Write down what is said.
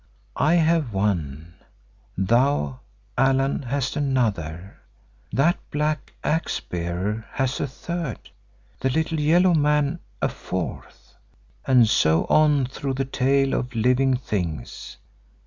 I have one; thou, Allan, hast another; that black Axe bearer has a third; the little yellow man a fourth, and so on through the tale of living things.